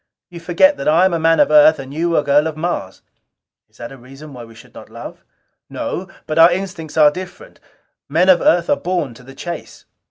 You forget that I am a man of Earth and you a girl of Mars." "Is that reason why we should not love?" "No. But our instincts are different. Men of Earth are born to the chase."